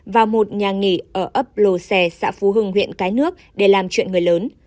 vào một nhà nghỉ ở ấp lồ xe xã phú hưng huyện cái nước để làm chuyện người lớn